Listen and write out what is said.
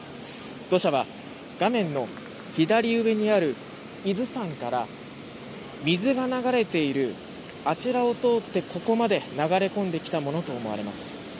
土砂は画面の左上にある伊豆山から水が流れているあちらを通ってここまで流れ込んできたものとみられています。